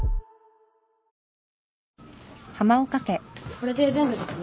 これで全部ですね。